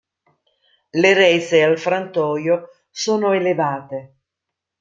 Le rese al frantoio sono elevate.